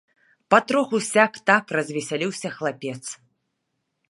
Патроху сяк-так развесяліўся хлапец.